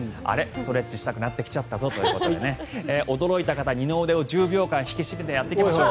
ストレッチしたくなってきちゃったぞということで驚いた方、二の腕を１０秒間引き締めやっていきましょう。